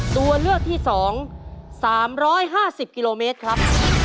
ตัวเลือกที่๒๓๕๐กิโลเมตรครับ